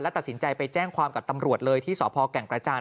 ตัดสินใจไปแจ้งความกับตำรวจเลยที่สพแก่งกระจาน